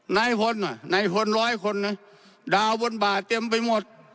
ไหนผ่นอ่ะในคนร้อยคนอ่ะดาวบนบ่าเต็มไปหมด